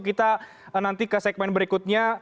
kita nanti ke segmen berikutnya